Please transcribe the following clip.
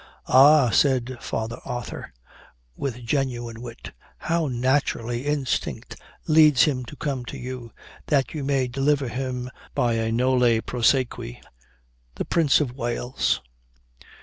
"Ah!" said Father Arthur, with genuine wit, "how naturally instinct leads him to come to you, that you may deliver him by a nolle prosequi!" THE PRINCE OF WALES.